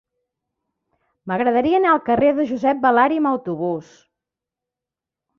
M'agradaria anar al carrer de Josep Balari amb autobús.